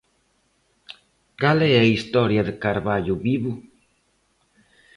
Cal é a historia de Carballo Vivo?